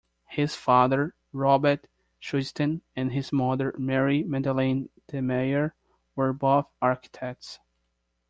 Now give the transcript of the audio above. His father, Robert Schuiten, and his mother, Marie-Madeleine De Maeyer, were both architects.